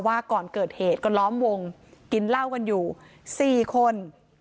ก่อนเกิดเหตุก็ล้อมวงกินเหล้ากันอยู่๔คน